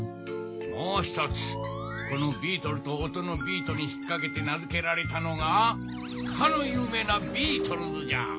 もう１つこの「ビートル」と音の「ビート」に引っかけて名づけられたのがかの有名な「ビートルズ」じゃ！